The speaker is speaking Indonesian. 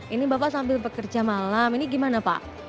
ini bapak sambil bekerja malam ini gimana pak